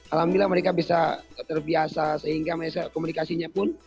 alhamdulillah mereka bisa terbiasa sehingga komunikasinya pun